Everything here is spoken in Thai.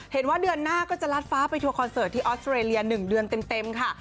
เห็นว่าเดือนหน้าก็จะลัดฟ้าไปทัวร์คอนเสิร์ตที่ออสเตรเลีย๑เดือนเต็มค่ะ